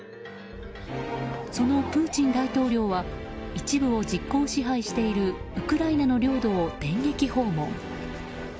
そのプーチン大統領は一部を実効支配しているウクライナの領土を電撃訪問。